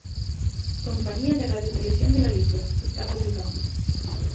Compañía de Radio Televisión de Galicia, está publicado.